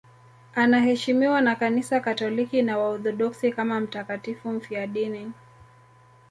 Anaheshimiwa na Kanisa Katoliki na Waorthodoksi kama mtakatifu mfiadini.